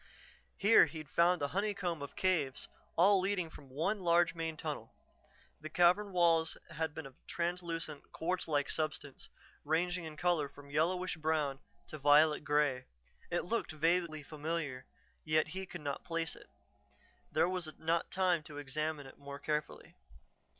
Here he'd found a honeycomb of caves, all leading from one large main tunnel. The cavern walls had been of a translucent, quartz like substance, ranging in color from yellowish brown to violet grey. It looked vaguely familiar, yet he could not place it. There was not time to examine it more carefully.